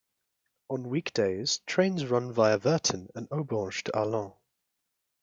On week-days trains run via Virton and Aubange to Arlon.